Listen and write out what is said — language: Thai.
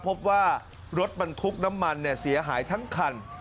พบว่ารถบรรทุกน้ำมันเสียหายทั้งคัน